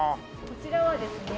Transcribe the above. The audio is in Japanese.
こちらはですね